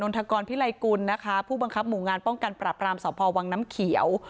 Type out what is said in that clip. ทกรพิไลกุลนะคะผู้บังคับหมู่งานป้องกันปรับรามสพวังน้ำเขียว